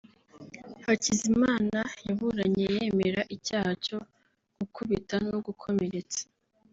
Hakizimana yaburanye yemera icyaha cyo gukubita no gukomeretsa